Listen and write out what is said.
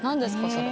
それ。